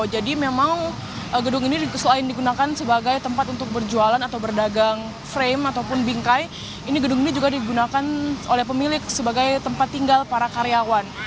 jadi memang gedung ini selain digunakan sebagai tempat untuk berjualan atau berdagang frame ataupun bingkai gedung ini juga digunakan oleh pemilik sebagai tempat tinggal para karyawan